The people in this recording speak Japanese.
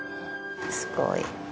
すごい。